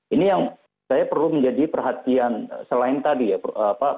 ini yang saya perlu menjadi perhatian selain tadi ya